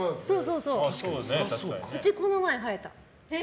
うち、この前、生えた。